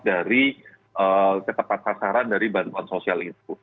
dari ketepat sasaran dari bantuan sosial itu